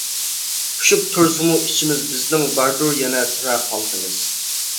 پۇشۇپ تۇرسىمۇ ئىچىمىز بىزنىڭ باردۇر يەنە تېرە خالتىمىز.